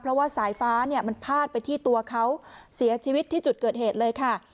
เพราะว่าสายฟ้าเนี่ยมันพาดไปที่ตัวเขาเสียชีวิตที่จุดเกิดเหตุเลยค่ะ